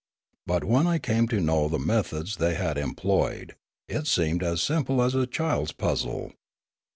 But when I came to know the methods they had employed, it seemed as simple as a child's puzzle.